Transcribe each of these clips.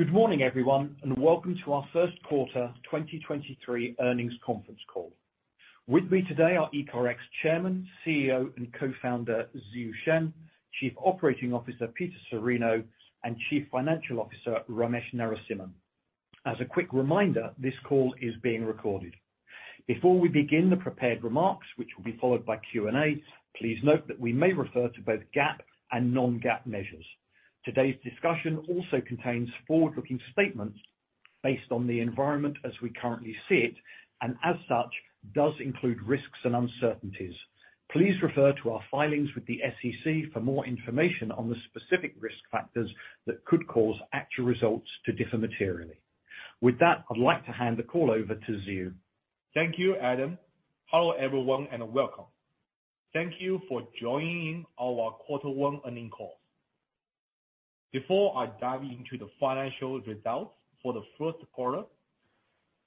Good morning, everyone. Welcome to our first quarter 2023 earnings conference call. With me today are ECARX Chairman, CEO, and Co-founder, Ziyu Shen, Chief Operating Officer, Peter Cirino, and Chief Financial Officer, Ramesh Narasimhan. As a quick reminder, this call is being recorded. Before we begin the prepared remarks, which will be followed by Q&A, please note that we may refer to both GAAP and non-GAAP measures. Today's discussion also contains forward-looking statements based on the environment as we currently see it. As such, does include risks and uncertainties. Please refer to our filings with the SEC for more information on the specific risk factors that could cause actual results to differ materially. With that, I'd like to hand the call over to Ziyu. Thank you, Adam. Hello, everyone, and welcome. Thank you for joining our Q1 earning call. Before I dive into the financial results for the first quarter,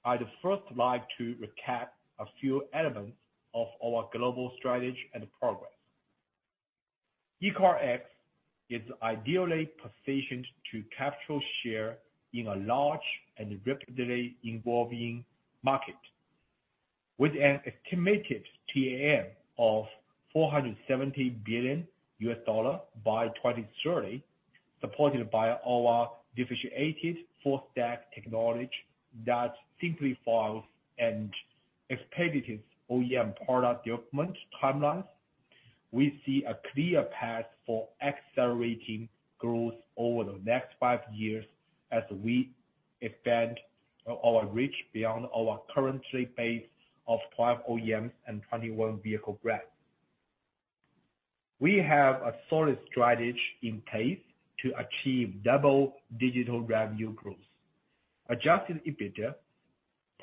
I'd first like to recap a few elements of our global strategy and progress. ECARX is ideally positioned to capture share in a large and rapidly evolving market, with an estimated TAM of $470 billion by 2030, supported by our differentiated full-stack technology that simplifies and expedites OEM product development timelines. We see a clear path for accelerating growth over the next five years as we expand our reach beyond our current client base of 12 OEMs and 21 vehicle brands. We have a solid strategy in place to achieve double-digit revenue growth, adjusted EBITDA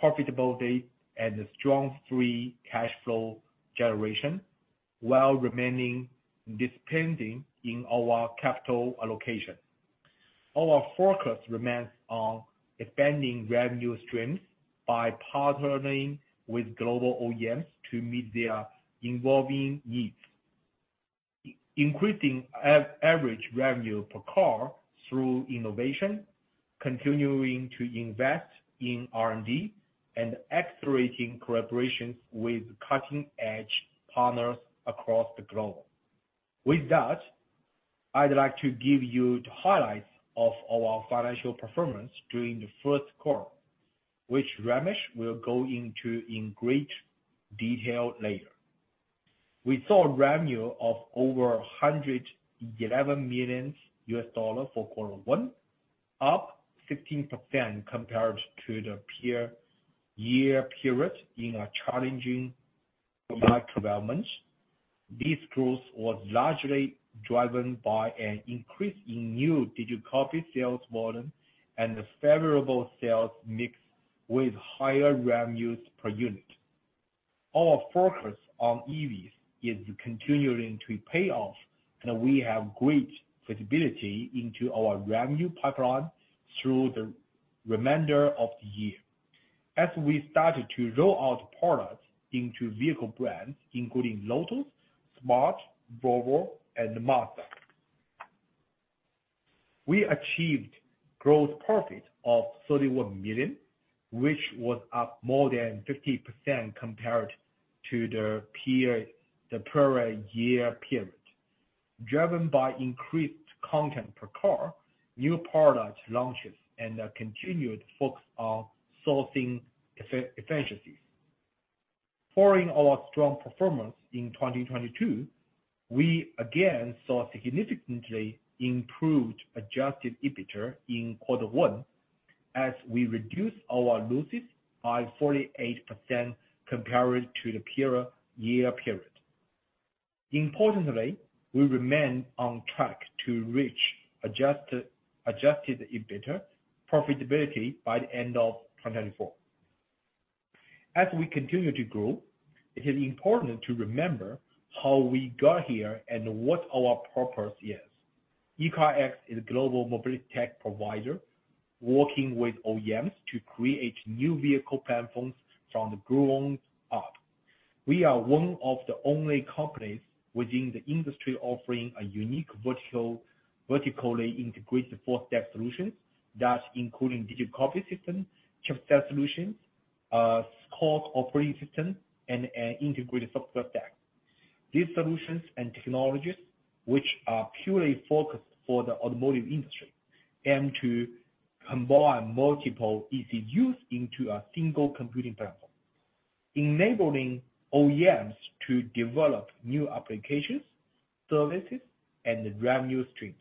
profitability, and a strong free cash flow generation, while remaining disciplined in our capital allocation. Our focus remains on expanding revenue streams by partnering with global OEMs to meet their evolving needs, increasing average revenue per car through innovation, continuing to invest in R&D, and accelerating collaborations with cutting-edge partners across the globe. With that, I'd like to give you the highlights of our financial performance during the first quarter, which Ramesh will go into in great detail later. We saw revenue of over $111 million for quarter one, up 16% compared to the prior-year period in a challenging market environment. This growth was largely driven by an increase in new digital cockpit sales volume and a favorable sales mix with higher revenues per unit. Our focus on EVs is continuing to pay off, and we have great visibility into our revenue pipeline through the remainder of the year. As we started to roll out products into vehicle brands, including Lotus, smart, Volvo, and Mazda. We achieved gross profit of $31 million, which was up more than 50% compared to the prior-year period, driven by increased content per car, new product launches, and a continued focus on sourcing efficiencies. Following our strong performance in 2022, we again saw significantly improved adjusted EBITDA in quarter one, as we reduced our losses by 48% compared to the prior-year period. Importantly, we remain on track to reach adjusted EBITDA profitability by the end of 2024. As we continue to grow, it is important to remember how we got here and what our purpose is. ECARX is a global mobility tech provider, working with OEMs to create new vehicle platforms from the ground up. We are one of the only companies within the industry offering a unique vertically integrated full-stack solution that's including digital cockpit system, chipset solution, cockpit operating system, and an integrated software stack. These solutions and technologies, which are purely focused for the automotive industry, aim to combine multiple ECUs into a single computing platform, enabling OEMs to develop new applications, services, and revenue streams.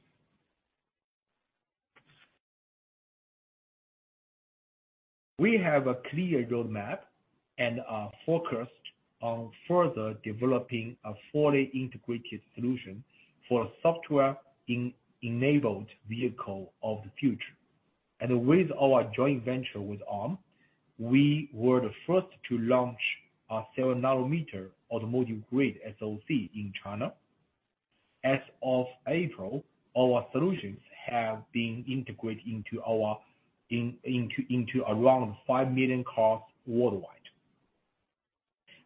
We have a clear roadmap and are focused on further developing a fully integrated solution for software enabled vehicle of the future. With our joint venture with Arm, we were the first to launch a 7-nanometer automotive-grade SoC in China. As of April, our solutions have been integrated into around 5 million cars worldwide.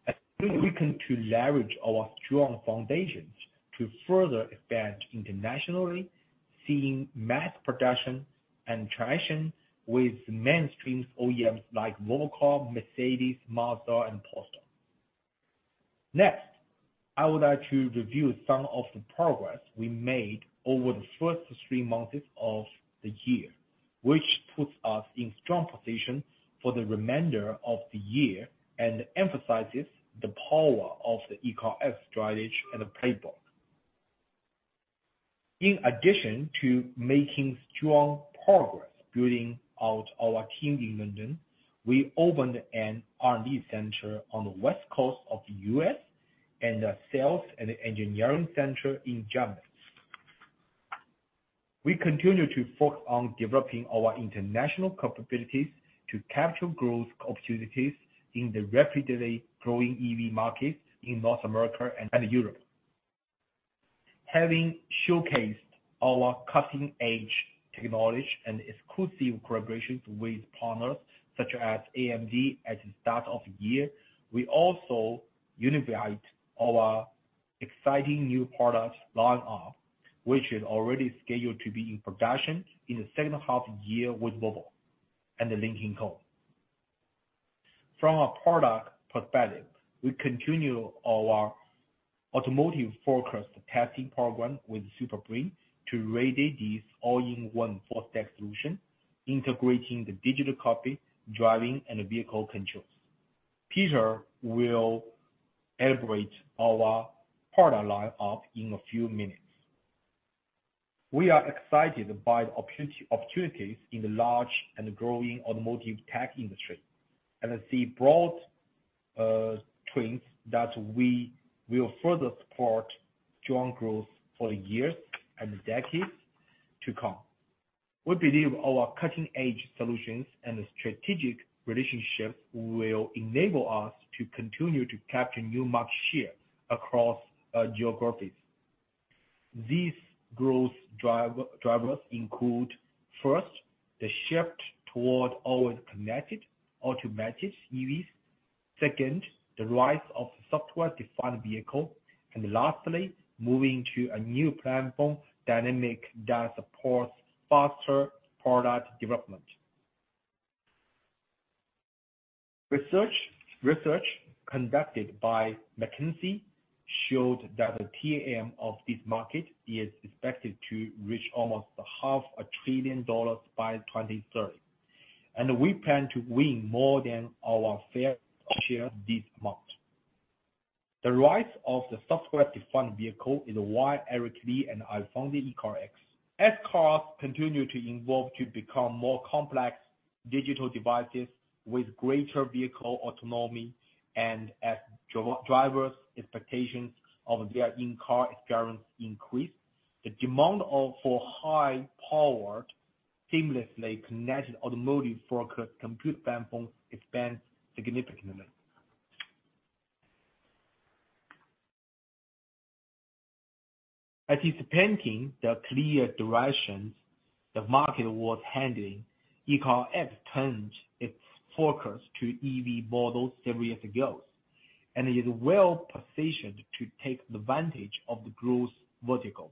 As we weaken to leverage our strong foundations to further expand internationally, seeing mass production and traction with mainstream OEMs like Volvo Cars, Mercedes-Benz, Mazda, and Porsche. Next, I would like to review some of the progress we made over the first three months of the year, which puts us in strong position for the remainder of the year, and emphasizes the power of the ECARX strategy and the playbook. In addition to making strong progress building out our team in London, we opened an R&D center on the West Coast of the U.S., and a sales and engineering center in Germany. We continue to focus on developing our international capabilities to capture growth opportunities in the rapidly growing EV market in North America and Europe. Having showcased our cutting-edge technology and exclusive collaborations with partners such as AMD at the start of the year, we also unveiled our exciting new product lineup, which is already scheduled to be in production in the second half of the year with Volvo and the Lynk & Co. From a product perspective, we continue our automotive focused testing program with Super Brain to radiate this all-in-one four-stack solution, integrating the digital cockpit, driving, and vehicle controls. Peter will elaborate our product lineup in a few minutes. We are excited by the opportunities in the large and growing automotive tech industry, and the broad trends that we will further support strong growth for years and decades to come. We believe our cutting-edge solutions and strategic relationships will enable us to continue to capture new market share across geographies. These growth drivers include, first, the shift toward always connected automatic EVs. Second, the rise of software-defined vehicle. Lastly, moving to a new platform dynamic that supports faster product development. Research conducted by McKinsey showed that the TAM of this market is expected to reach almost half a trillion dollars by 2030, and we plan to win more than our fair share of this amount. The rise of the software-defined vehicle is why Eric Li and I founded ECARX. As cars continue to evolve to become more complex digital devices with greater vehicle autonomy, and as drivers' expectations of their in-car experience increase, the demand for high-powered, seamlessly connected automotive focused compute platform expands significantly. Anticipating the clear directions the market was handling, ECARX turned its focus to EV models several years ago, and is well positioned to take advantage of the growth vertical.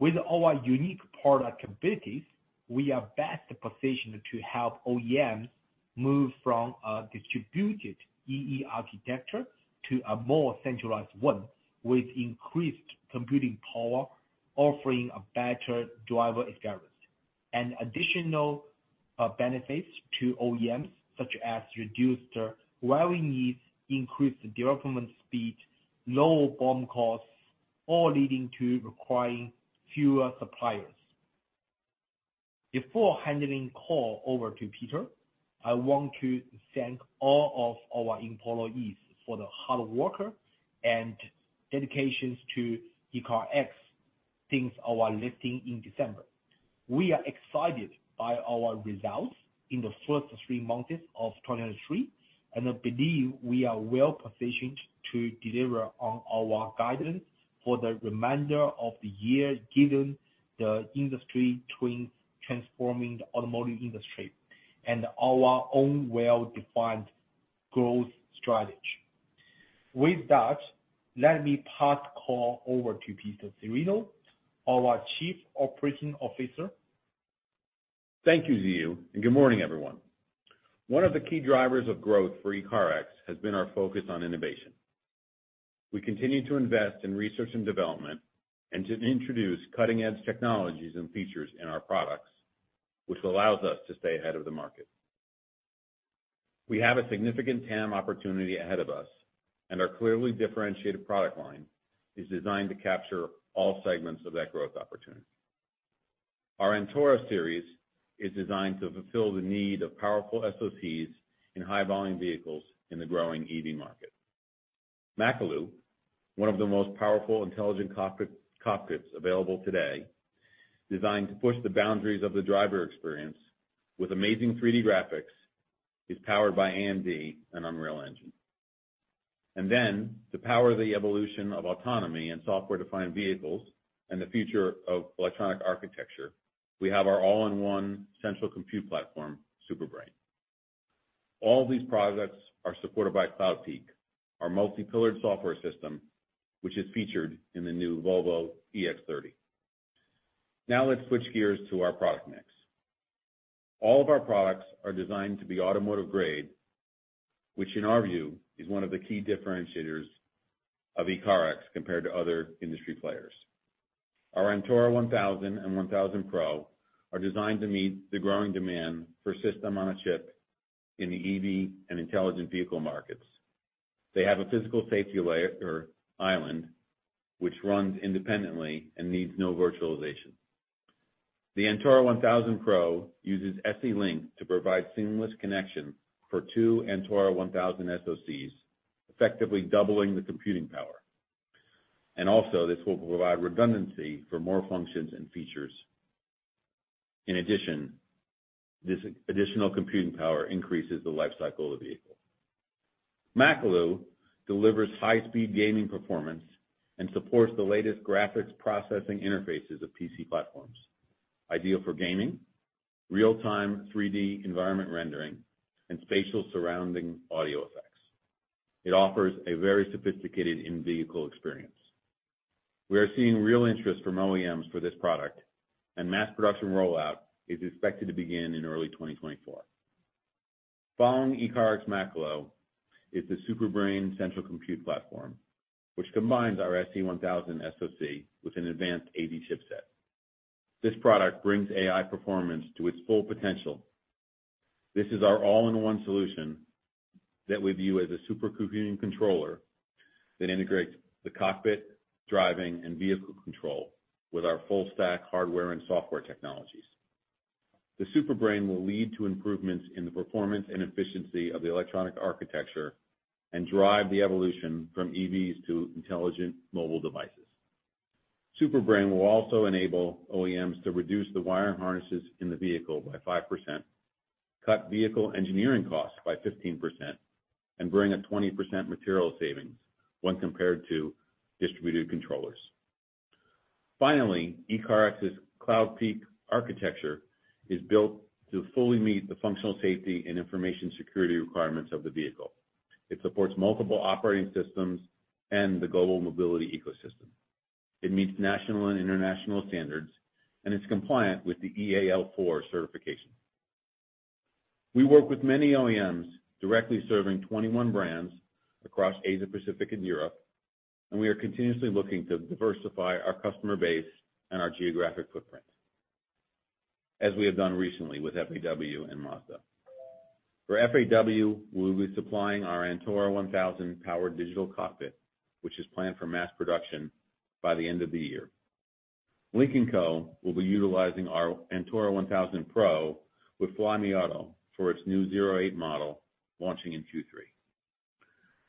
With our unique product abilities, we are best positioned to help OEMs move from a distributed E/E architecture to a more centralized one, with increased computing power, offering a better driver experience. Additional benefits to OEMs, such as reduced wiring needs, increased development speed, low BOM costs, all leading to requiring fewer suppliers. Before handing call over to Peter, I want to thank all of our employees for the hard work and dedication to ECARX since our listing in December. We are excited by our results in the first three months of 2023, I believe we are well positioned to deliver on our guidance for the remainder of the year, given the industry trends transforming the automotive industry, and our own well-defined growth strategy. With that, let me pass the call over to Peter Cirino, our Chief Operating Officer. Thank you, Ziyu. Good morning, everyone. One of the key drivers of growth for ECARX has been our focus on innovation. We continue to invest in research and development, and to introduce cutting-edge technologies and features in our products, which allows us to stay ahead of the market. We have a significant TAM opportunity ahead of us. Our clearly differentiated product line is designed to capture all segments of that growth opportunity. Our Antora series is designed to fulfill the need of powerful SOPs in high-volume vehicles in the growing EV market. Makalu, one of the most powerful intelligent cockpits available today, designed to push the boundaries of the driver experience with amazing 3D graphics, is powered by AMD and Unreal Engine. To power the evolution of autonomy and software-defined vehicles and the future of electronic architecture, we have our all-in-one central compute platform, Super Brain. All these products are supported by Cloudpeak, our multi-pillared software system, which is featured in the new Volvo EX30. Let's switch gears to our product mix. All of our products are designed to be automotive grade, which in our view, is one of the key differentiators of ECARX compared to other industry players. Our Antora 1000 and 1000 Pro are designed to meet the growing demand for System-on-a-Chip in the EV and intelligent vehicle markets. They have a physical safety layer, or island, which runs independently and needs no virtualization. The Antora 1000 Pro uses SE-LINK to provide seamless connection for two Antora 1000 SoCs, effectively doubling the computing power. This will provide redundancy for more functions and features. In addition, this additional computing power increases the life cycle of the vehicle. Makalu delivers high-speed gaming performance and supports the latest graphics processing interfaces of PC platforms, ideal for gaming, real-time 3D environment rendering, and spatial surrounding audio effects. It offers a very sophisticated in-vehicle experience. We are seeing real interest from OEMs for this product, and mass production rollout is expected to begin in early 2024. Following ECARX Makalu is the Super Brain central compute platform, which combines our SE1000 SoC with an advanced AD chipset. This product brings AI performance to its full potential. This is our all-in-one solution that we view as a super computing controller that integrates the cockpit, driving, and vehicle control with our full-stack hardware and software technologies. The Super Brain will lead to improvements in the performance and efficiency of the electronic architecture and drive the evolution from EVs to intelligent mobile devices. Super Brain will also enable OEMs to reduce the wiring harnesses in the vehicle by 5%, cut vehicle engineering costs by 15%, and bring a 20% material savings when compared to distributed controllers. Finally, ECARX's Cloudpeak architecture is built to fully meet the functional safety and information security requirements of the vehicle. It supports multiple operating systems and the global mobility ecosystem. It meets national and international standards, it's compliant with the EAL4 certification. We work with many OEMs, directly serving 21 brands across Asia, Pacific, and Europe, we are continuously looking to diversify our customer base and our geographic footprint, as we have done recently with FAW and Mazda. For FAW, we will be supplying our Antora 1000 powered digital cockpit, which is planned for mass production by the end of the year. Lincoln Co will be utilizing our Antora 1000 Pro with Flyme Auto for its new 08 model, launching in Q3.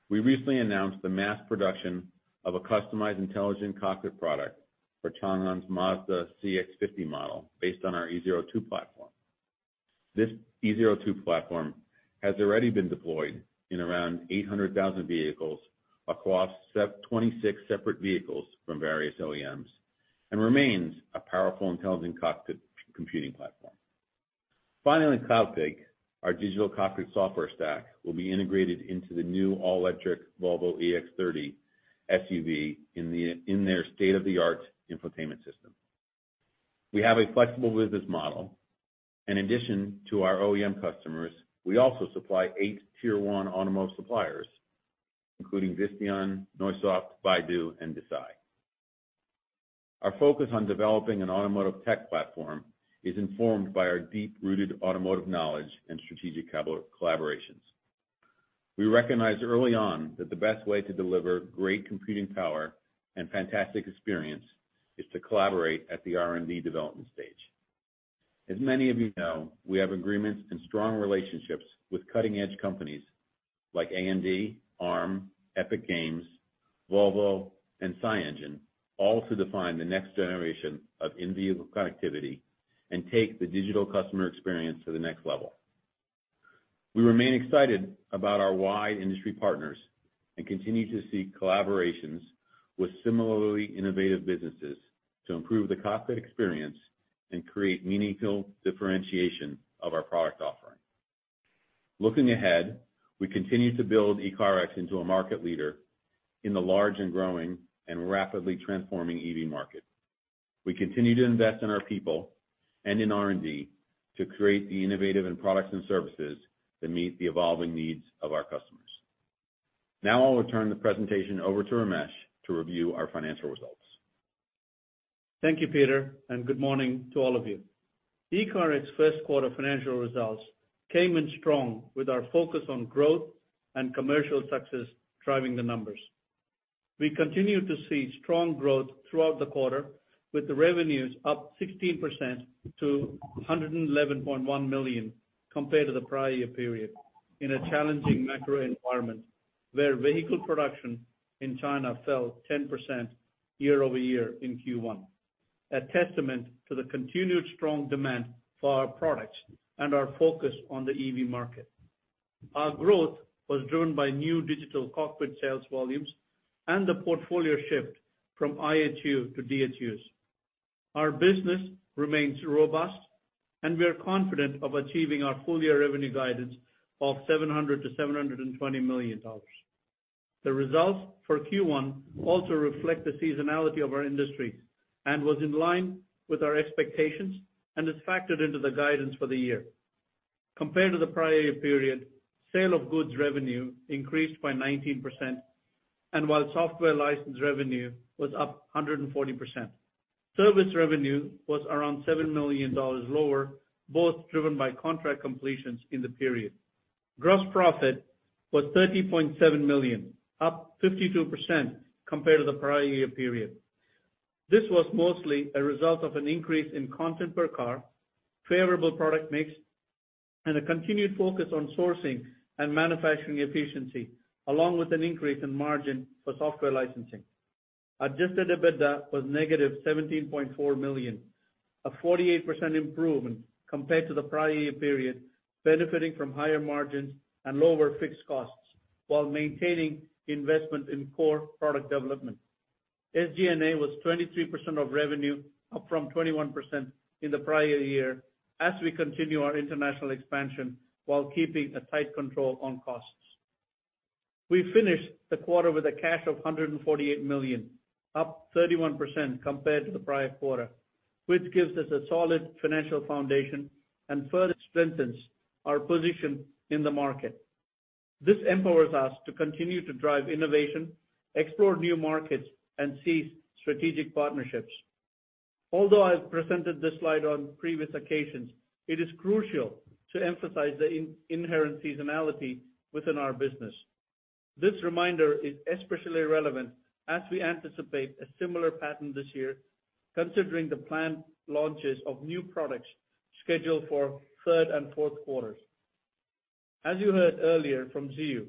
We recently announced the mass production of a customized intelligent cockpit product for Changan's Mazda CX-50 model based on our E02 platform. This E02 platform has already been deployed in around 800,000 vehicles across 26 separate vehicles from various OEMs, and remains a powerful intelligent cockpit computing platform. Finally, Cloudpeak, our digital cockpit software stack, will be integrated into the new all-electric Volvo EX30 SUV in their state-of-the-art infotainment system. In addition to our OEM customers, we also supply eight tier one automotive suppliers, including Visteon, Nosok, Baidu, and Desai. Our focus on developing an automotive tech platform is informed by our deep-rooted automotive knowledge and strategic collaborations. We recognized early on that the best way to deliver great computing power and fantastic experience is to collaborate at the R&D development stage. As many of you know, we have agreements and strong relationships with cutting-edge companies like AMD, Arm, Epic Games, Volvo, and SiEngine, all to define the next generation of in-vehicle connectivity and take the digital customer experience to the next level. We remain excited about our wide industry partners and continue to seek collaborations with similarly innovative businesses to improve the cockpit experience and create meaningful differentiation of our product offering. Looking ahead, we continue to build ECARX into a market leader in the large and growing and rapidly transforming EV market. We continue to invest in our people and in R&D to create the innovative, and products, and services that meet the evolving needs of our customers. Now I'll return the presentation over to Ramesh to review our financial results. Thank you, Peter, and good morning to all of you. ECARX's first quarter financial results came in strong, with our focus on growth and commercial success driving the numbers. We continued to see strong growth throughout the quarter, with the revenues up 16% to $111.1 million, compared to the prior-year period, in a challenging macro environment, where vehicle production in China fell 10% year-over-year in Q1. A testament to the continued strong demand for our products and our focus on the EV market. Our growth was driven by new digital cockpit sales volumes and the portfolio shift from IHU to DHUs. Our business remains robust, and we are confident of achieving our full-year revenue guidance of $700 million-$720 million. The results for Q1 also reflect the seasonality of our industry and was in line with our expectations and is factored into the guidance for the year. Compared to the prior-year period, sale of goods revenue increased by 19%, and while software license revenue was up 140%. Service revenue was around $7 million lower, both driven by contract completions in the period. Gross profit was $30.7 million, up 52% compared to the prior-year period. This was mostly a result of an increase in content per car, favorable product mix, and a continued focus on sourcing and manufacturing efficiency, along with an increase in margin for software licensing. Adjusted EBITDA was -$17.4 million, a 48% improvement compared to the prior-year period, benefiting from higher margins and lower fixed costs while maintaining investment in core product development. SG&A was 23% of revenue, up from 21% in the prior-year, as we continue our international expansion while keeping a tight control on costs. We finished the quarter with a cash of $148 million, up 31% compared to the prior quarter, which gives us a solid financial foundation and further strengthens our position in the market. This empowers us to continue to drive innovation, explore new markets, and seize strategic partnerships. Although I've presented this slide on previous occasions, it is crucial to emphasize the inherent seasonality within our business. This reminder is especially relevant as we anticipate a similar pattern this year, considering the planned launches of new products scheduled for third and fourth quarters. As you heard earlier from Ziyu,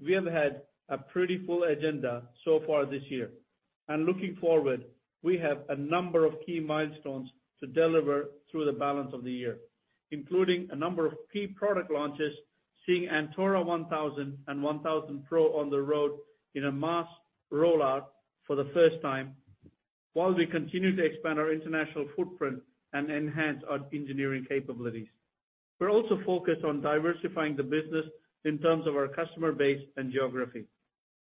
we have had a pretty full agenda so far this year. Looking forward, we have a number of key milestones to deliver through the balance of the year, including a number of key product launches, seeing Antora 1000 and 1000 Pro on the road in a mass rollout for the first time, while we continue to expand our international footprint and enhance our engineering capabilities. We're also focused on diversifying the business in terms of our customer base and geography.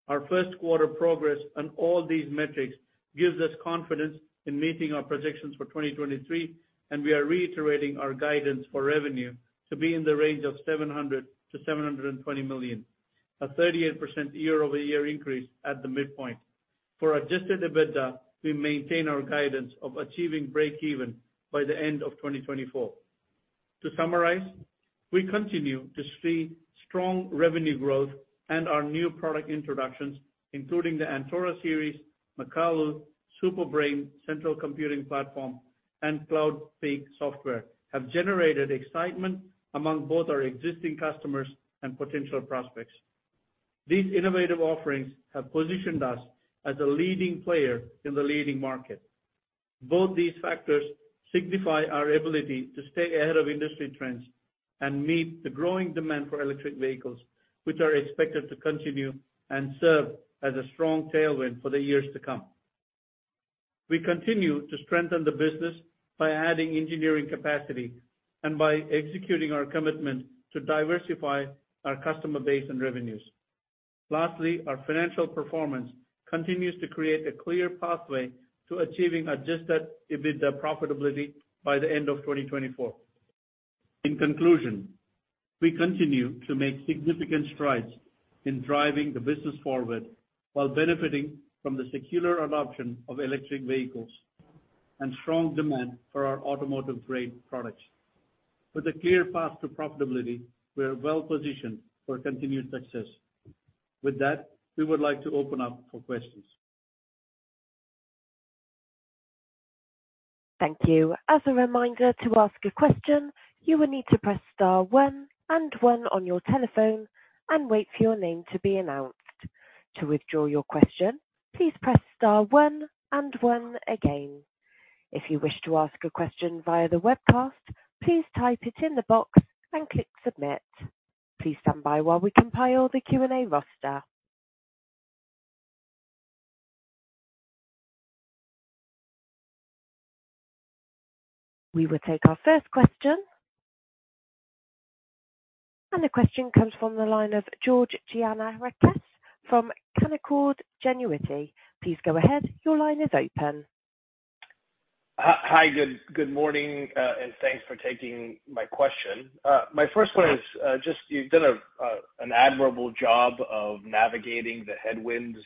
Our first quarter progress on all these metrics gives us confidence in meeting our projections for 2023, and we are reiterating our guidance for revenue to be in the range of $700 million-$720 million, a 38% year-over-year increase at the midpoint. For adjusted EBITDA, we maintain our guidance of achieving breakeven by the end of 2024. To summarize, we continue to see strong revenue growth and our new product introductions, including the Antora series, Makalu, Super Brain, Central Computing Platform, and Cloudpeak Software, have generated excitement among both our existing customers and potential prospects. These innovative offerings have positioned us as a leading player in the leading market. Both these factors signify our ability to stay ahead of industry trends and meet the growing demand for electric vehicles, which are expected to continue and serve as a strong tailwind for the years to come. We continue to strengthen the business by adding engineering capacity and by executing our commitment to diversify our customer base and revenues. Lastly, our financial performance continues to create a clear pathway to achieving adjusted EBITDA profitability by the end of 2024. In conclusion, we continue to make significant strides in driving the business forward while benefiting from the secular adoption of electric vehicles and strong demand for our automotive-grade products. With a clear path to profitability, we are well positioned for continued success. With that, we would like to open up for questions. Thank you. As a reminder, to ask a question, you will need to press star one and one on your telephone and wait for your name to be announced. To withdraw your question, please press star one and one again. If you wish to ask a question via the webcast, please type it in the box and click Submit. Please stand by while we compile the Q&A roster. We will take our first question. The question comes from the line of George Gianarikas from Canaccord Genuity. Please go ahead. Your line is open. Hi, good morning, and thanks for taking my question. My first one is, just you've done an admirable job of navigating the headwinds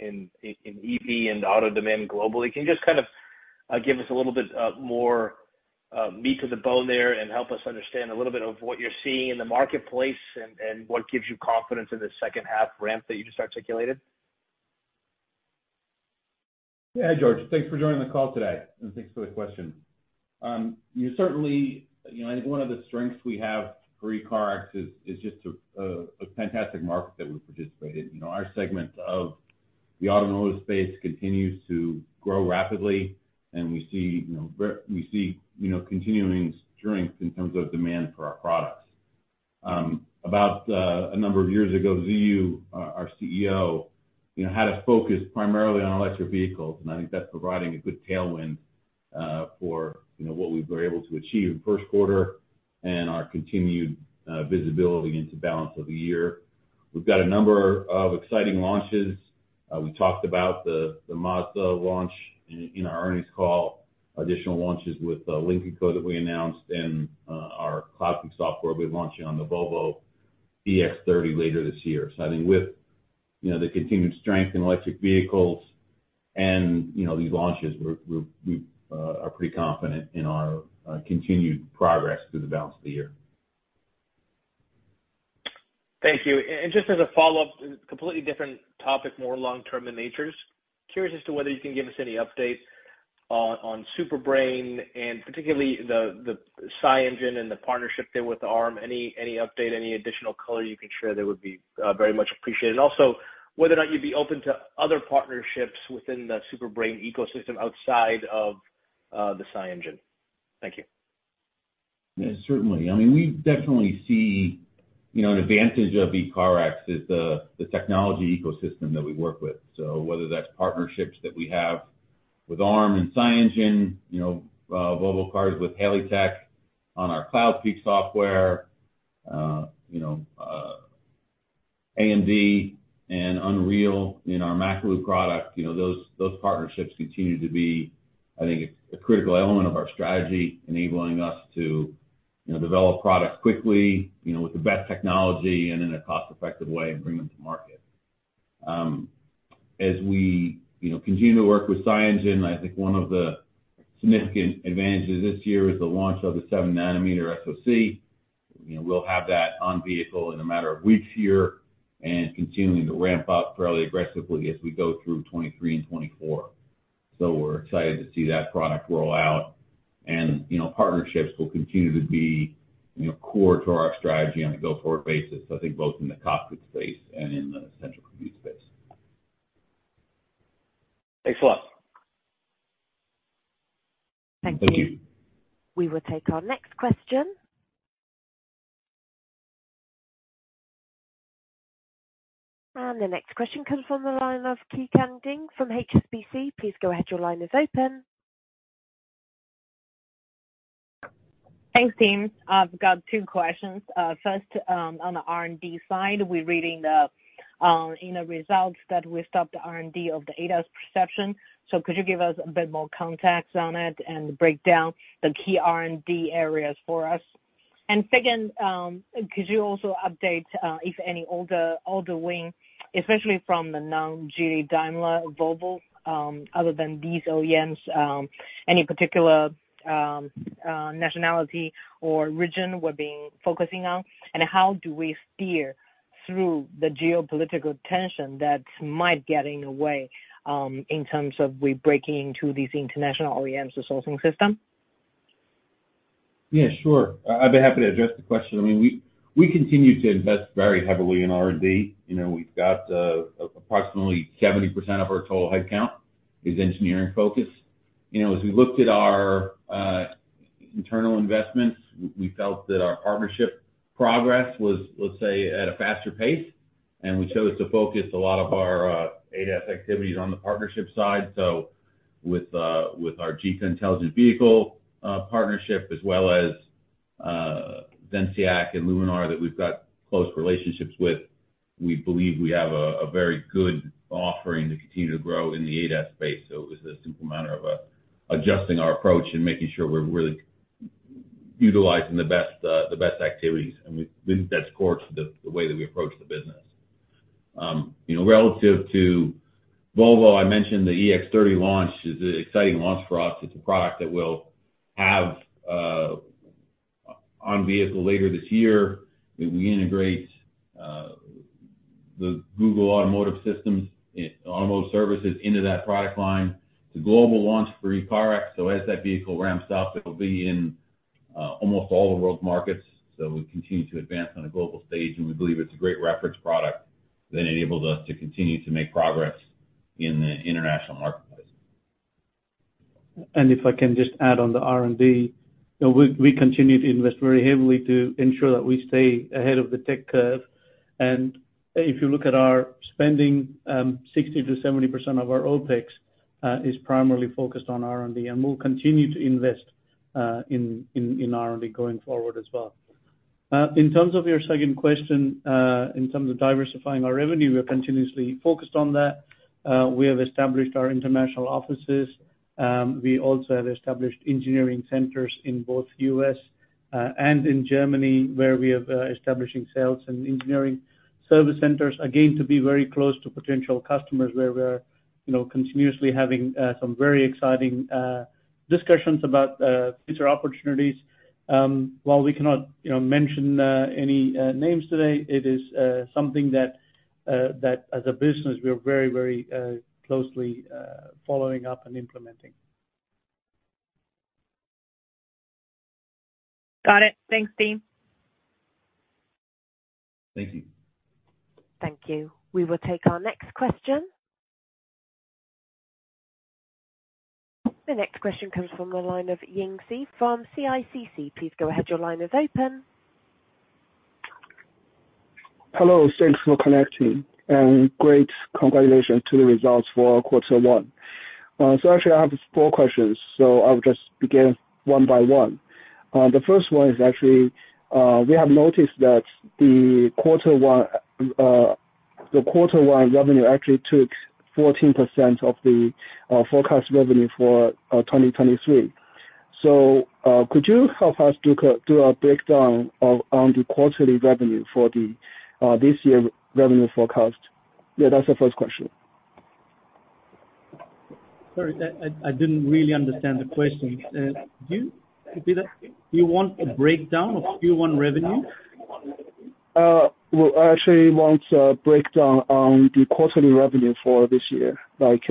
in EV and auto demand globally. Can you just kind of give us a little bit more meat to the bone there and help us understand a little bit of what you're seeing in the marketplace and what gives you confidence in the second half ramp that you just articulated? Yeah, George, thanks for joining the call today, and thanks for the question. You certainly, you know, I think one of the strengths we have for ECARX is just a fantastic market that we participate in. You know, our segment of the automotive space continues to grow rapidly, and we see, you know, continuing strength in terms of demand for our products. About a number of years ago, Ziyu, our CEO, you know, had a focus primarily on electric vehicles, and I think that's providing a good tailwind for, you know, what we were able to achieve in first quarter and our continued visibility into the balance of the year. We've got a number of exciting launches. We talked about the Mazda launch in our earnings call, additional launches with Lincoln that we announced, and our Cloudpeak software will be launching on the Volvo EX30 later this year. I think with, you know, the continued strength in electric vehicles and, you know, these launches, we are pretty confident in our continued progress through the balance of the year. Thank you. Just as a follow-up, completely different topic, more long-term in natures. Curious as to whether you can give us any update on Super Brain and particularly the SiEngine and the partnership there with Arm. Any update, any additional color you can share there would be very much appreciated. Also, whether or not you'd be open to other partnerships within the Super Brain ecosystem outside of the SiEngine? Thank you. Yeah, certainly. I mean, we definitely see, you know, an advantage of ECARX is the technology ecosystem that we work with. Whether that's partnerships that we have with Arm and SiEngine, you know, Volvo Cars with HaleyTek on our Cloudpeak software, you know, AMD and Unreal in our Makalu product. You know, those partnerships continue to be, I think, a critical element of our strategy, enabling us to, you know, develop products quickly, you know, with the best technology and in a cost-effective way, and bring them to market. As we, you know, continue to work with SiEngine, I think one of the significant advantages this year is the launch of the seven-nanometer SoC. You know, we'll have that on vehicle in a matter of weeks here and continuing to ramp up fairly aggressively as we go through 2023 and 2024. We're excited to see that product roll out. You know, partnerships will continue to be, you know, core to our strategy on a go-forward basis, I think both in the cockpit space and in the central compute space. Thanks a lot. Thank you. We will take our next question. The next question comes from the line of Yuqian Ding from HSBC. Please go ahead. Your line is open. Thanks, team. I've got two questions. First, on the R&D side, we're reading the in the results that we stopped the R&D of the ADAS perception. Could you give us a bit more context on it and break down the key R&D areas for us? Second, could you also update, if any other wing, especially from the non-Geely, Daimler, Volvo, other than these OEMs, any particular nationality or region we're being focusing on? How do we steer through the geopolitical tension that might get in your way, in terms of we breaking into these international OEMs sourcing system? Yeah, sure. I'd be happy to address the question. I mean, we continue to invest very heavily in R&D. You know, we've got approximately 70% of our total headcount is engineering-focused. You know, as we looked at our internal investments, we felt that our partnership progress was, let's say, at a faster pace, and we chose to focus a lot of our ADAS activities on the partnership side. With our Geely Intelligent Vehicle partnership, as well as Zenseact and Luminar, that we've got close relationships with, we believe we have a very good offering to continue to grow in the ADAS space. It was a simple matter of adjusting our approach and making sure we're really utilizing the best, the best activities, and that's core to the way that we approach the business. you know, relative to Volvo, I mentioned the EX30 launch is an exciting launch for us. It's a product that we'll have on vehicle later this year, that we integrate the Google Automotive Services into that product line. It's a global launch for ECARX, so as that vehicle ramps up, it'll be in almost all the world's markets. We continue to advance on a global stage, and we believe it's a great reference product that enables us to continue to make progress in the international marketplace. If I can just add on the R&D, you know, we continue to invest very heavily to ensure that we stay ahead of the tech curve. If you look at our spending, 60%-70% of our OpEx is primarily focused on R&D, and we'll continue to invest in R&D going forward as well. In terms of your second question, in terms of diversifying our revenue, we are continuously focused on that. We have established our international offices. We also have established engineering centers in both U.S. and in Germany, where we have establishing sales and engineering service centers, again, to be very close to potential customers where we're, you know, continuously having some very exciting discussions about future opportunities. While we cannot, you know, mention any names today, it is something that as a business, we are very closely following up and implementing. Got it. Thanks team. Thank you. Thank you. We will take our next question. The next question comes from the line of Ying Si from CICC. Please go ahead. Your line is open. Hello, thanks for connecting, and great congratulations to the results for quarter one. Actually I have four questions, so I'll just begin one by one. The first one is actually, we have noticed that the quarter one, the quarter one revenue actually took 14% of the forecast revenue for 2023. Could you help us to do a breakdown of, on the quarterly revenue for this year's revenue forecast? That's the first question. Sorry, I didn't really understand the question. Do you repeat that? You want a breakdown of Q1 revenue? Well, I actually want a breakdown on the quarterly revenue for this year, like,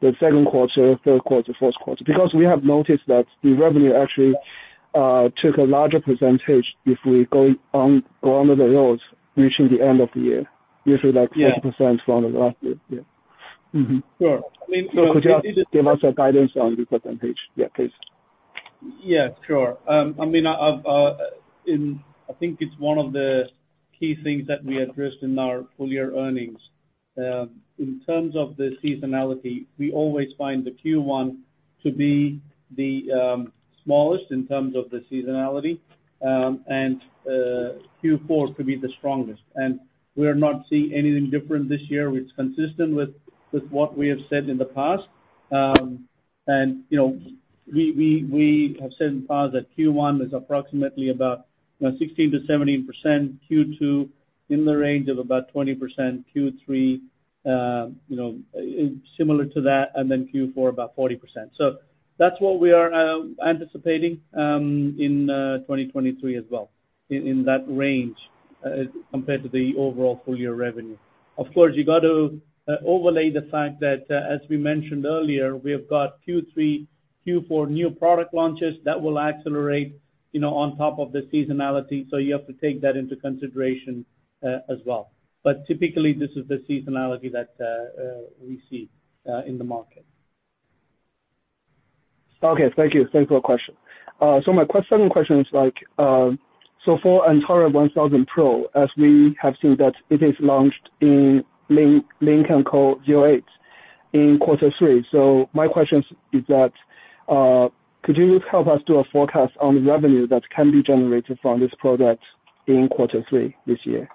the second quarter, third quarter, fourth quarter. We have noticed that the revenue actually took a larger percentage if we go on the roads, reaching the end of the year, usually like 50% from the last year. Yeah. Sure. I mean- Could you give us a guidance on the percentage? Yeah, please. Yeah, sure. I mean, I think it's one of the key things that we addressed in our full-year earnings. In terms of the seasonality, we always find the Q1 to be the smallest in terms of the seasonality, and Q4 to be the strongest. We are not seeing anything different this year, which is consistent with what we have said in the past. You know, we have said in the past that Q1 is approximately about, you know, 16%-17%, Q2 in the range of about 20%, Q3, you know, similar to that, and then Q4, about 40%. That's what we are anticipating in 2023 as well, in that range, compared to the overall full-year revenue. Of course, you got to overlay the fact that, as we mentioned earlier, we've got Q3, Q4 new product launches that will accelerate, you know, on top of the seasonality, so you have to take that into consideration as well. Typically, this is the seasonality that we see in the market. Okay. Thank you. Thanks for your question. My second question is like, for Antora 1000 Pro, as we have seen that it is launched in Lynk & Co 08 in quarter three. My question is that, could you help us do a forecast on the revenue that can be generated from this product in quarter three this year?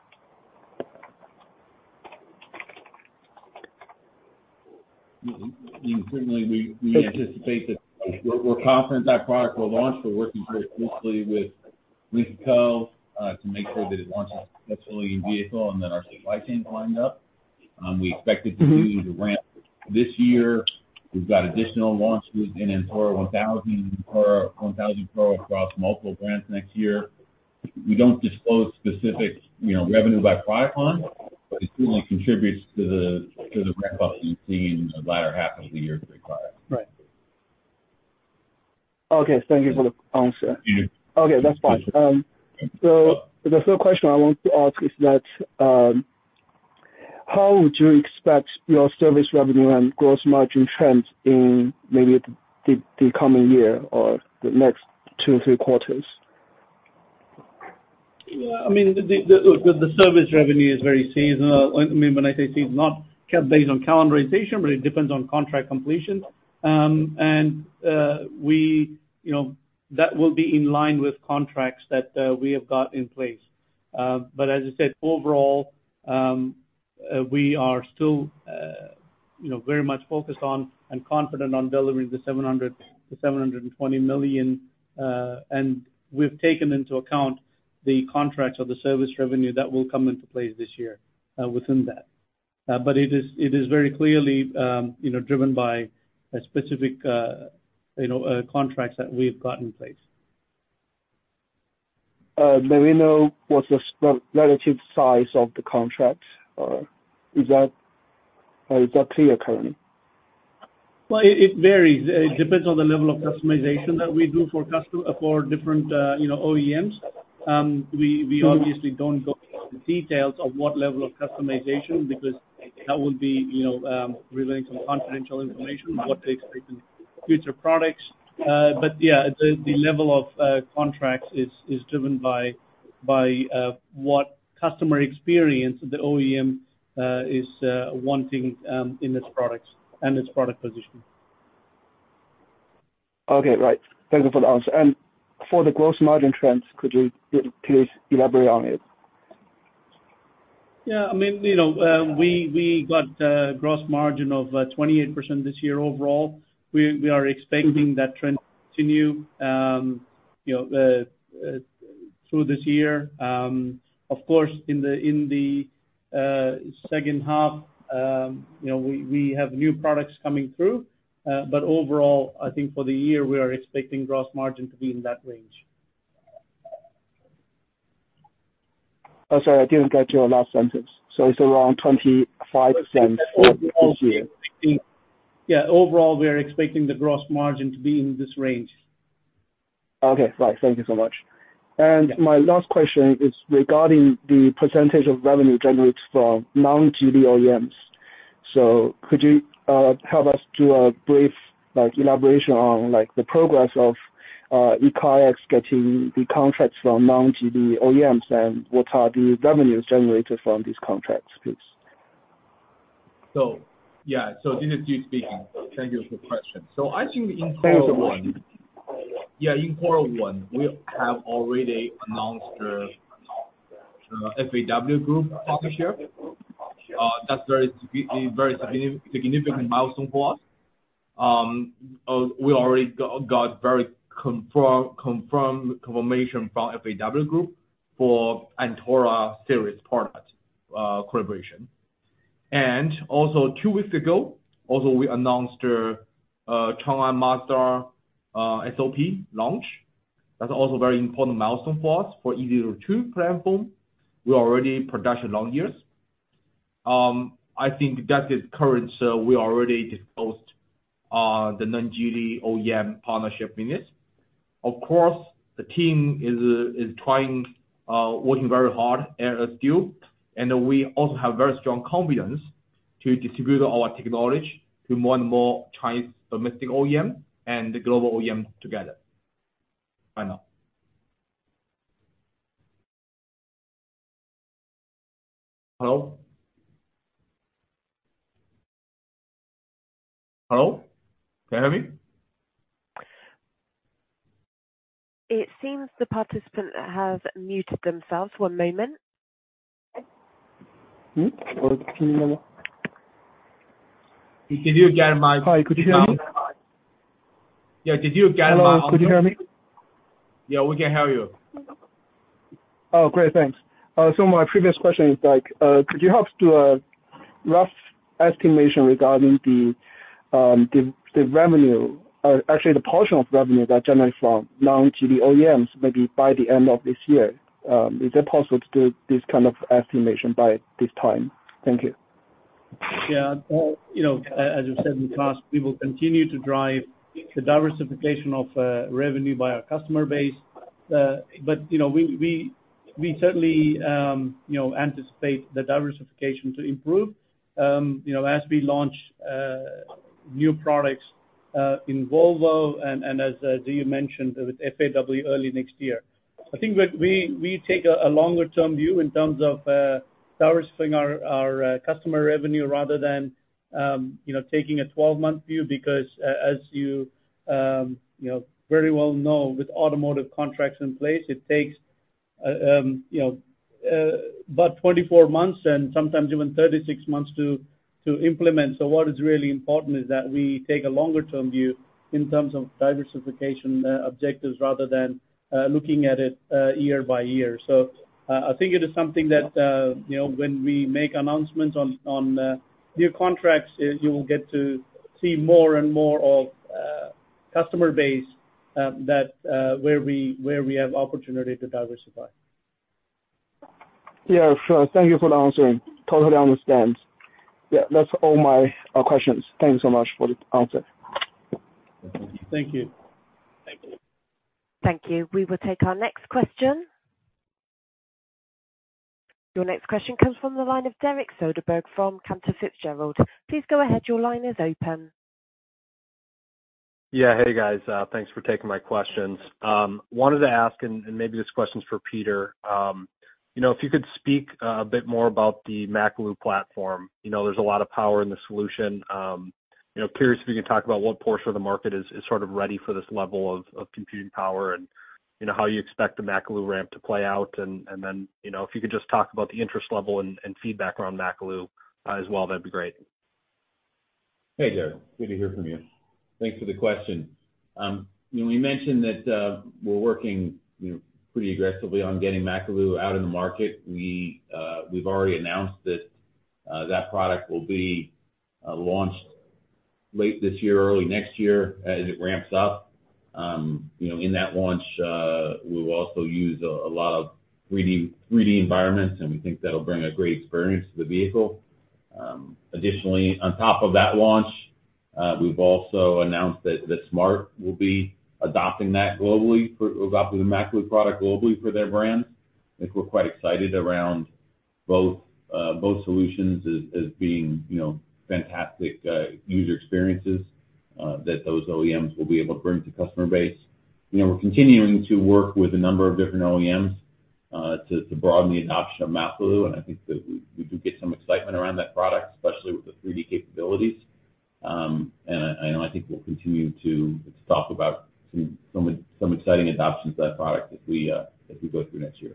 I mean, certainly we anticipate that we're confident that product will launch. We're working very closely with Lincoln Co. to make sure that it launches successfully in vehicle and then our supply chain lined up. We expect it to be the ramp this year. We've got additional launches in Antora 1000 or 1000 Pro across multiple brands next year. We don't disclose specific, you know, revenue by product line, but it certainly contributes to the ramp up we've seen the latter half of the year as required. Right. Okay, thank you for the answer. Mm-hmm. Okay, that's fine. The third question I want to ask is that, how would you expect your service revenue and gross margin trends in maybe the coming year or the next two, three quarters? Yeah, I mean, the service revenue is very seasonal. I mean, when I say season, not based on calendarization, but it depends on contract completion. We, you know, that will be in line with contracts that we have got in place. As I said, overall, we are still, you know, very much focused on and confident on delivering the $700 million-$720 million, and we've taken into account the contracts or the service revenue that will come into play this year, within that. It is very clearly, you know, driven by a specific, you know, contracts that we've got in place. May we know what's the relative size of the contract, or is that clear currently? Well, it varies. It depends on the level of customization that we do for different, you know, OEMs. We obviously don't go into the details of what level of customization, because that would be, you know, revealing some confidential information, what to expect in future products. Yeah, the level of contracts is driven by what customer experience the OEM is wanting in its products and its product position. Okay, right. Thank you for the answer. For the gross margin trends, could you please elaborate on it? Yeah, I mean, you know, we got a gross margin of 28% this year overall. We are expecting that trend to continue, you know, through this year. Of course, in the second half, you know, we have new products coming through. Overall, I think for the year, we are expecting gross margin to be in that range. Oh, sorry, I didn't get your last sentence. it's around $0.25 for this year? Yeah, overall, we are expecting the gross margin to be in this range. Okay, right. Thank you so much. My last question is regarding the % of revenue generated from non-GD OEMs. Could you help us do a brief, like, elaboration on, like, the progress of ECARX getting the contracts from non-GD OEMs, and what are the revenues generated from these contracts, please? Yeah, so this is Ziyu speaking. Thank you for the question. I think in quarter one- Thank you so much. Yeah, in quarter one, we have already announced the FAW Group partnership. That's very significant milestone for us. We already got very confirmation from FAW Group for Antora series product collaboration. Also, two weeks ago, we announced Changan Mazda SOP launch. That's also a very important milestone for us for E02 platform. We're already in production long years. I think that is current, so we already disclosed the non-GD OEM partnership in it. Of course, the team is trying, working very hard at SKU, and we also have very strong confidence to distribute our technology to more and more Chinese domestic OEM and the global OEM together. Bye now. Hello? Hello, can you hear me? It seems the participant has muted themselves. One moment. Hmm? Hi, could you hear me? Yeah, did you get? Hello, could you hear me? Yeah, we can hear you. Oh, great, thanks. My previous question is like, could you help do a rough estimation regarding the revenue, actually the portion of revenue that generates from non-GD OEMs, maybe by the end of this year? Is it possible to do this kind of estimation by this time? Thank you. Yeah, you know, as I said in the past, we will continue to drive the diversification of revenue by our customer base. You know, we certainly, you know, anticipate the diversification to improve, you know, as we launch new products in Volvo and as Ziyu mentioned, with FAW early next year. I think we take a longer term view in terms of diversifying our customer revenue rather than, you know, taking a 12-month view, because as you know, very well know, with automotive contracts in place, it takes, you know, about 24 months and sometimes even 36 months to implement. What is really important is that we take a longer term view in terms of diversification objectives, rather than looking at it year-by-year. I think it is something that, you know, when we make announcements on new contracts, you will get to see more and more of customer base that where we have opportunity to diversify. Yeah, sure. Thank you for the answering. Totally understand. Yeah, that's all my questions. Thank you so much for the answer. Thank you. Thank you. Thank you. We will take our next question. Your next question comes from the line of Derek Soderberg from Cantor Fitzgerald. Please go ahead. Your line is open. Yeah. Hey, guys, thanks for taking my questions. Wanted to ask, and maybe this question is for Peter. You know, if you could speak a bit more about the Makalu platform. You know, there's a lot of power in the solution. You know, curious if you can talk about what portion of the market is sort of ready for this level of computing power, and, you know, how you expect the Makalu ramp to play out, and then, you know, if you could just talk about the interest level and feedback around Makalu as well, that'd be great. Hey, Derek. Good to hear from you. Thanks for the question. You know, we mentioned that we're working, you know, pretty aggressively on getting Makalu out in the market. We've already announced that that product will be launched late this year, early next year, as it ramps up. You know, in that launch, we will also use a lot of 3D environments, and we think that'll bring a great experience to the vehicle. Additionally, on top of that launch, we've also announced that smart will be adopting that globally, adopting the Makalu product globally for their brand. I think we're quite excited around both solutions as being, you know, fantastic user experiences that those OEMs will be able to bring to customer base. You know, we're continuing to work with a number of different OEMs, to broaden the adoption of Makalu. I think that we do get some excitement around that product, especially with the 3D capabilities. I think we'll continue to talk about some exciting adoptions of that product as we go through next year.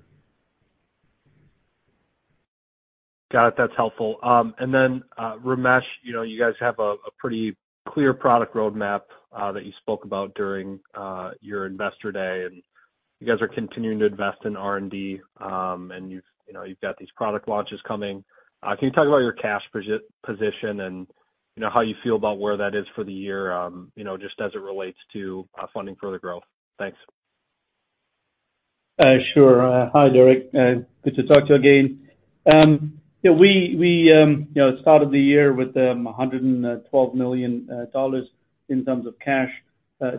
Got it. That's helpful. Ramesh, you know, you guys have a pretty clear product roadmap that you spoke about during your Investor Day, and you guys are continuing to invest in R&D, and you've, you know, you've got these product launches coming. Can you talk about your cash position and, you know, how you feel about where that is for the year, you know, just as it relates to funding further growth? Thanks. Sure. Hi, Derek, good to talk to you again. Yeah, we, you know, started the year with $112 million in terms of cash.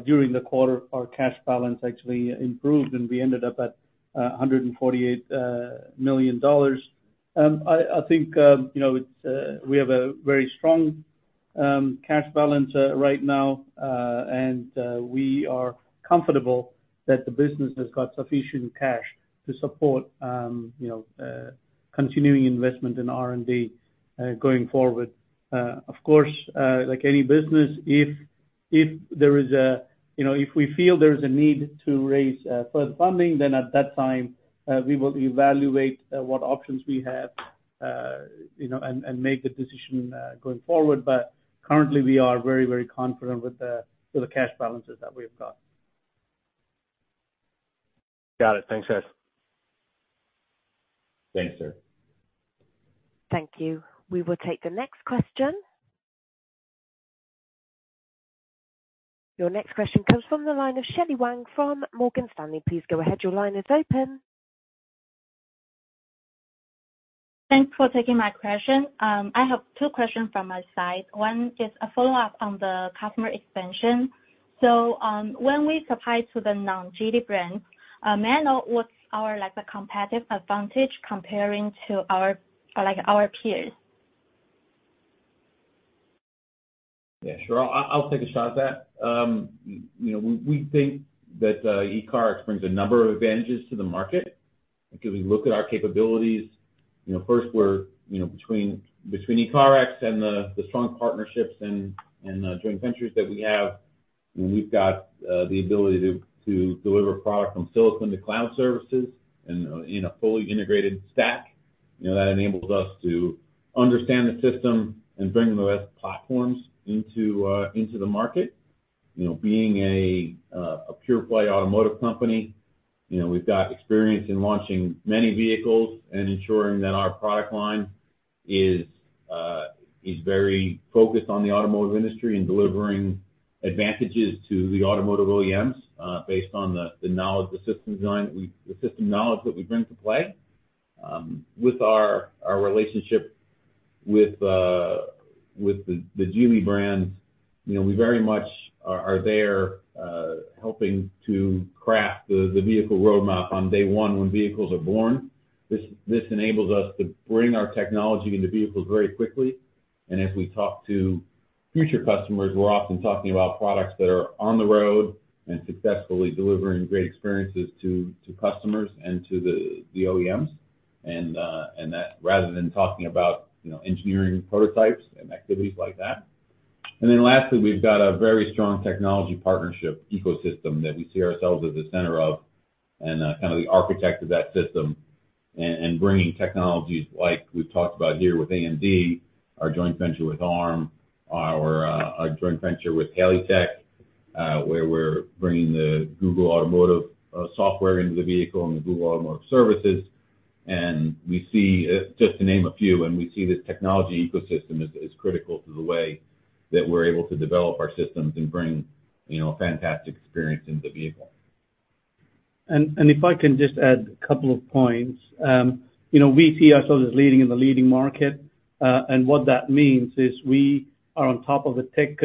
During the quarter, our cash balance actually improved, and we ended up at $148 million. I think, you know, it's, we have a very strong cash balance right now. We are comfortable that the business has got sufficient cash to support, you know, continuing investment in R&D going forward. Of course, like any business, if there is a, you know, if we feel there is a need to raise further funding, then at that time, we will evaluate what options we have, you know, and make the decision going forward. Currently, we are very, very confident with the cash balances that we've got. Got it. Thanks, guys. Thanks, sir. Thank you. We will take the next question. Your next question comes from the line of Shelley Wang from Morgan Stanley. Please go ahead. Your line is open. Thanks for taking my question. I have two questions from my side. One is a follow-up on the customer expansion. When we supply to the non-Geely brand, may I know what's our, like, the competitive advantage comparing to our, like, our peers? Yeah, sure. I'll take a shot at that. You know, we think that ECARX brings a number of advantages to the market, because we look at our capabilities. You know, first, we're, you know, between ECARX and the strong partnerships and joint ventures that we have, we've got the ability to deliver product from silicon to cloud services and in a fully integrated stack. You know, that enables us to understand the system and bring the best platforms into the market. You know, being a pure play automotive company, you know, we've got experience in launching many vehicles and ensuring that our product line is very focused on the automotive industry and delivering advantages to the automotive OEMs, based on the knowledge, the system design, the system knowledge that we bring to play. With our relationship with the Geely brand, you know, we very much are there helping to craft the vehicle roadmap on day one when vehicles are born. This enables us to bring our technology into vehicles very quickly. As we talk to future customers, we're often talking about products that are on the road and successfully delivering great experiences to customers and to the OEMs, and that, rather than talking about, you know, engineering prototypes and activities like that. Then lastly, we've got a very strong technology partnership ecosystem that we see ourselves as the center of and, kind of the architect of that system, and bringing technologies like we've talked about here with AMD, our joint venture with Arm, our joint venture with Halitech, where we're bringing the Google Automotive software into the vehicle and the Google Automotive Services. We see, just to name a few, and we see this technology ecosystem as critical to the way that we're able to develop our systems and bring, you know, a fantastic experience into the vehicle. If I can just add a couple of points. You know, we see ourselves as leading in the leading market, and what that means is we are on top of the tech,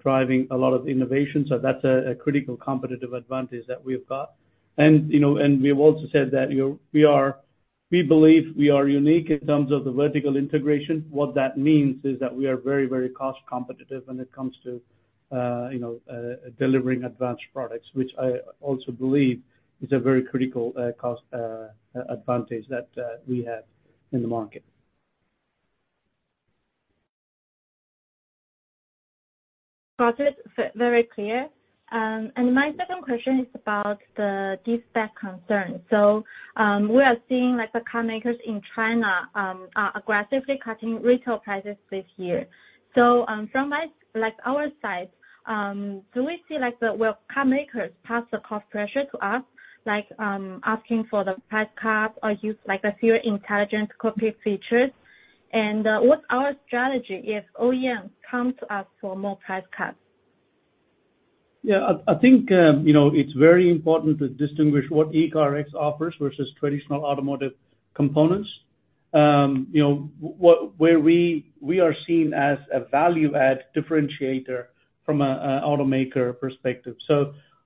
driving a lot of innovation, so that's a critical competitive advantage that we've got. You know, we've also said that, you know, we believe we are unique in terms of the vertical integration. What that means is that we are very, very cost competitive when it comes to, you know, delivering advanced products, which I also believe is a very critical cost advantage that we have in the market. Got it. Very clear. My second question is about the deep tech concern. We are seeing, like, the car makers in China, aggressively cutting retail prices this year. From my, like, our side, do we see, like, the, will car makers pass the cost pressure to us, like, asking for the price cut or use, like, a fewer intelligent cockpit features? What's our strategy if OEM comes to us for more price cuts? Yeah, I think, you know, it's very important to distinguish what ECARX offers versus traditional automotive components. You know, where we are seen as a value add differentiator from an automaker perspective.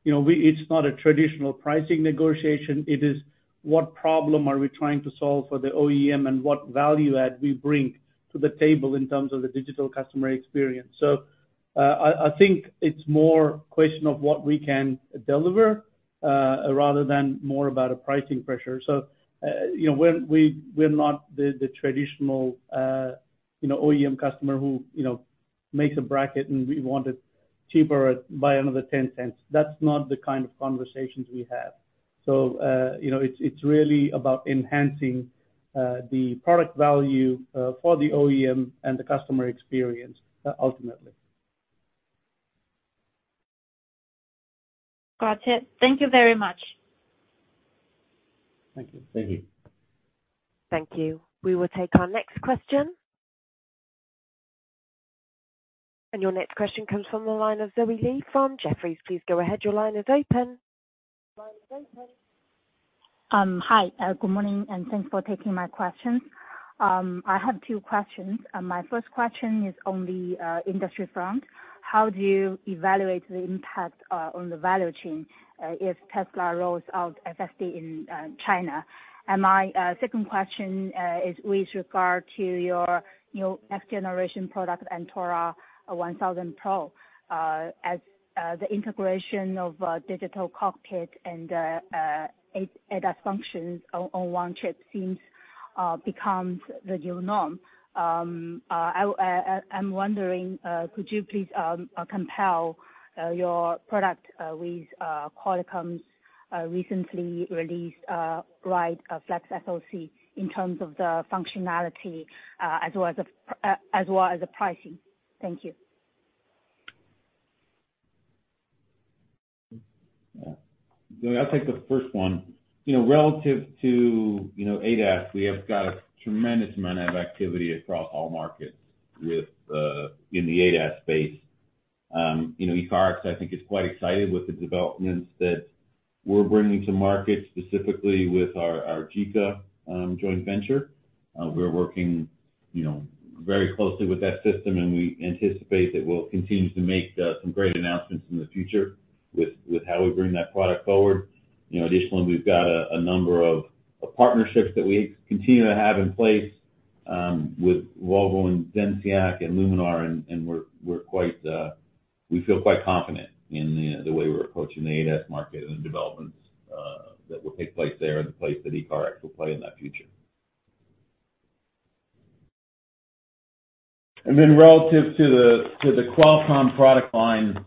You know, it's not a traditional pricing negotiation. It is, what problem are we trying to solve for the OEM and what value add we bring to the table in terms of the digital customer experience? I think it's more a question of what we can deliver rather than more about a pricing pressure. You know, when we're not the traditional, you know, OEM customer who, you know, makes a bracket and we want it cheaper by another 10 cents. That's not the kind of conversations we have. you know, it's really about enhancing the product value for the OEM and the customer experience ultimately. Got it. Thank you very much. Thank you. Thank you. Thank you. We will take our next question. Your next question comes from the line of Xiaoyi Lei from Jefferies. Please go ahead. Your line is open. Hi, good morning, thanks for taking my questions. I have two questions. My first question is on the industry front. How do you evaluate the impact on the value chain if Tesla rolls out FSD in China? My second question is with regard to your new S generation product, Antora 1000 Pro. As the integration of digital cockpit and ADAS functions on 1 chip seems becomes the new norm. I'm wondering, could you please compare your product with Qualcomm's recently released Ride Flex SoC in terms of the functionality as well as the pricing? Thank you. Yeah. I'll take the first one. You know, relative to, you know, ADAS, we have got a tremendous amount of activity across all markets with in the ADAS space. You know, ECARX, I think, is quite excited with the developments that we're bringing to market, specifically with our Zeka joint venture. We're working, you know, very closely with that system, and we anticipate that we'll continue to make some great announcements in the future with how we bring that product forward. You know, additionally, we've got a number of partnerships that we continue to have in place, with Volvo, Zenseact, and Luminar, and we feel quite confident in the way we're approaching the ADAS market and the developments that will take place there and the place that ECARX will play in that future. Then relative to the Qualcomm product line,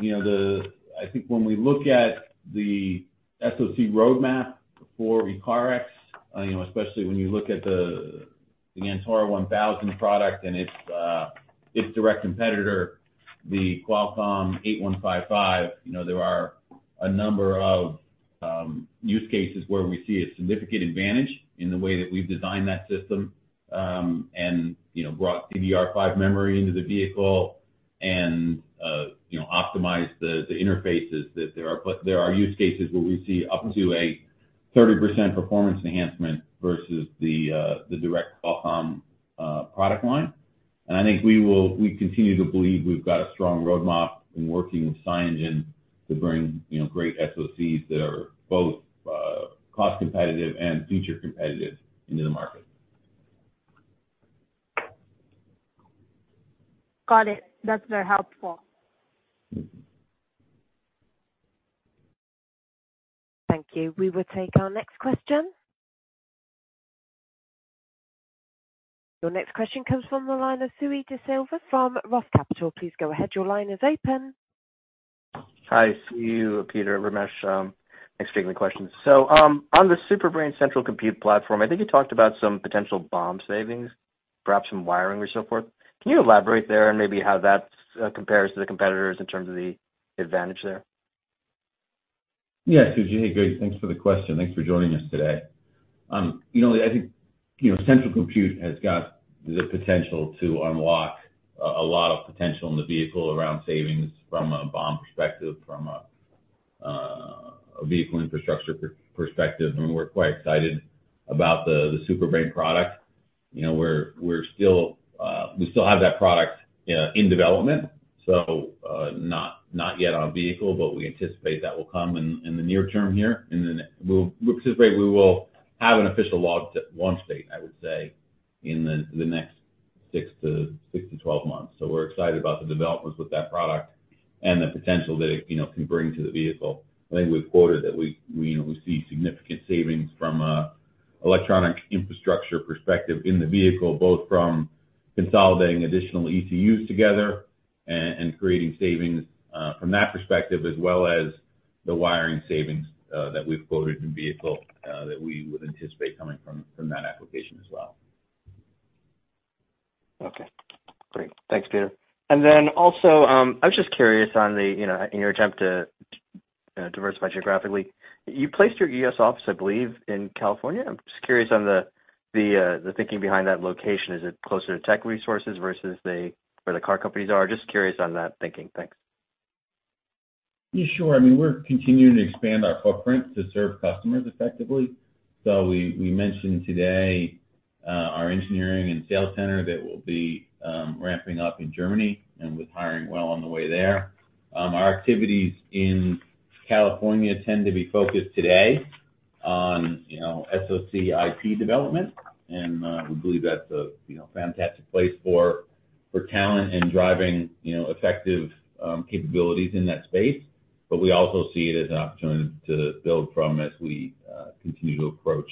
you know, the... I think when we look at the SoC roadmap for ECARX, you know, especially when you look at the Antora 1000 product and its direct competitor, the Qualcomm SA8155P, you know, there are a number of use cases where we see a significant advantage in the way that we've designed that system, and, you know, brought DDR5 memory into the vehicle and, you know, optimized the interfaces, there are use cases where we see up to a 30% performance enhancement versus the direct Qualcomm product line. I think we continue to believe we've got a strong roadmap in working with SiEngine to bring, you know, great SoCs that are both cost competitive and future competitive into the market. Got it. That's very helpful. Mm-hmm. Thank you. We will take our next question. Your next question comes from the line of Suji Desilva from Roth Capital. Please go ahead. Your line is open. Hi, Ziyu, Peter, Ramesh, thanks for taking the questions. On the Super Brain central compute platform, I think you talked about some potential BOM savings, perhaps some wiring or so forth. Can you elaborate there on maybe how that compares to the competitors in terms of the advantage there? Yeah, Suji, hey, great. Thanks for the question. Thanks for joining us today. You know, I think, you know, central compute has got the potential to unlock a lot of potential in the vehicle around savings from a BOM perspective, from a vehicle infrastructure perspective, and we're quite excited about the Super Brain product. You know, we're still we still have that product in development, so not yet on vehicle, but we anticipate that will come in the near term here. Then we'll, we anticipate we will have an official launch date, I would say, in the next 6 months-12 months. We're excited about the developments with that product and the potential that it, you know, can bring to the vehicle. I think we've quoted that we, you know, we see significant savings from a electronic infrastructure perspective in the vehicle, both from consolidating additional ECUs together and creating savings from that perspective, as well as the wiring savings that we've quoted in vehicle that we would anticipate coming from that application as well. Okay, great. Thanks, Peter. Also, I was just curious on the, you know, in your attempt to diversify geographically, you placed your U.S. office, I believe, in California. I'm just curious on the, the thinking behind that location. Is it closer to tech resources versus the, where the car companies are? Just curious on that thinking. Thanks. Yeah, sure. I mean, we're continuing to expand our footprint to serve customers effectively. We mentioned today, our engineering and sales center that will be ramping up in Germany and with hiring well on the way there. Our activities in California tend to be focused today on, you know, SoC IP development, and we believe that's a, you know, fantastic place for talent and driving, you know, effective capabilities in that space. We also see it as an opportunity to build from as we continue to approach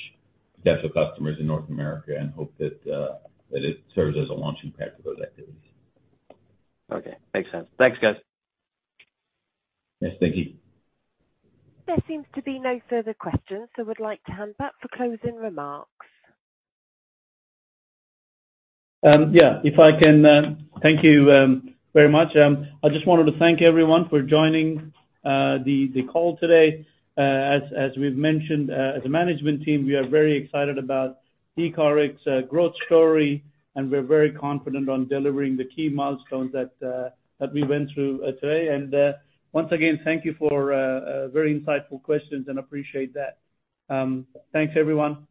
potential customers in North America and hope that it serves as a launching pad for those activities. Okay. Makes sense. Thanks, guys. Yes, thank you. There seems to be no further questions, so would like to hand back for closing remarks. Yeah, if I can. Thank you very much. I just wanted to thank everyone for joining the call today. As we've mentioned, as a management team, we are very excited about ECARX growth story, and we're very confident on delivering the key milestones that we went through today. Once again, thank you for very insightful questions, and appreciate that. Thanks, everyone.